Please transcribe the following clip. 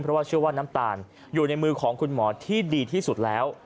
เพราะว่าเชื่อว่าน้ำตาลอยู่ในมือของคุณหมอที่ดีที่สุดแล้ว